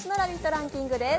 ランキングです。